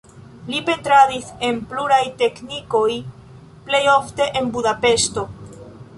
Li pentradis en pluraj teknikoj, plej ofte en Budapeŝto.